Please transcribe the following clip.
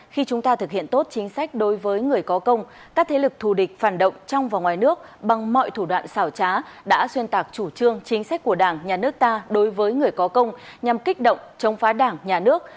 khi chúng ta thực hiện tốt chính sách đối với người có công các thế lực thù địch phản động trong và ngoài nước bằng mọi thủ đoạn xảo trá đã xuyên tạc chủ trương chính sách của đảng nhà nước ta đối với người có công nhằm kích động chống phá đảng nhà nước